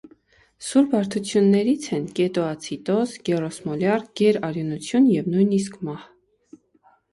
Սուր բարդություններից են կետոացիդոզ, գերօսմոլյար գերարյունություն եւ նույնիսկ մահ։